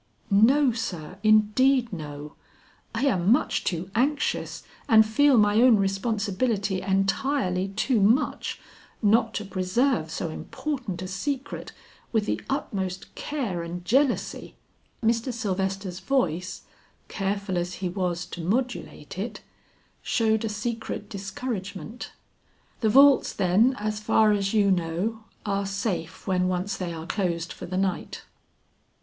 "No sir, indeed no; I am much too anxious, and feel my own responsibility entirely too much, not to preserve so important a secret with the utmost care and jealousy." Mr. Sylvester's voice, careful as he was to modulate it, showed a secret discouragement. "The vaults then as far as you know, are safe when once they are closed for the night?"